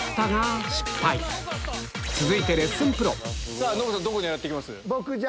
続いてレッスンプロどこ狙って行きます？